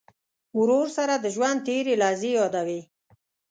ورور سره د ژوند تېرې لحظې یادوې.